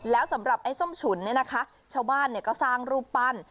แล้วสำหรับไอ้ส้มฉุนเนี่ยนะคะชาวบ้านก็สร้างรูปปั้น